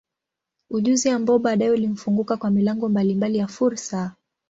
Ujuzi ambao baadaye ulimfunguka kwa milango mbalimbali ya fursa.